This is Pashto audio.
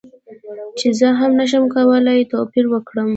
چې زه هم نشم کولی توپیر وکړم